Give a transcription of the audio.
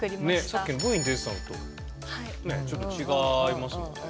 さっきＶに出てたのとねえちょっと違いますもんね。